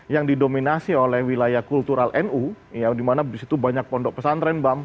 yang didominasi oleh wilayah kultural nu di mana di situ banyak pondok pesantren